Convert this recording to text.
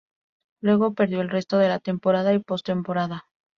Luego perdió el resto de la temporada y postemporada.